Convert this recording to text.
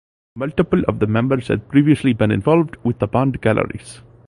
Multiple of the members had previously been involved with the band Galleries.